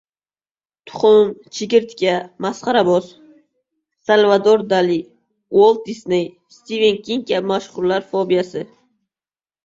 Tuxum, chigirtka, masxaraboz. Salvador Dali, Uolt Disney, Stiven King kabi mashhurlar fobiyasi